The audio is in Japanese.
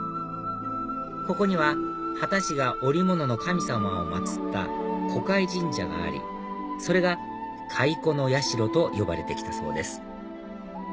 ここには秦が織物の神様を祭った蚕養神社がありそれが蚕の社と呼ばれて来たそうです